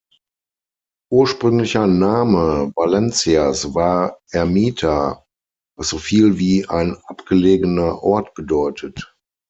Ursprünglicher Name Valencias war "Ermita", was so viel wie „ein abgelegener Ort“ bedeutet.